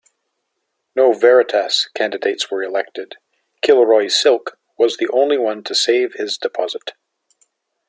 No Veritas candidates were elected; Kilroy-Silk was the only one to save his deposit.